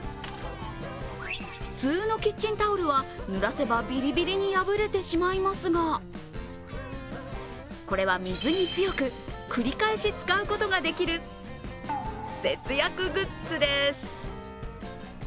普通のキッチンタオルは、ぬらせばビリビリに破れてしまいますがこれは水に強く、繰り返し使うことができる節約グッズです。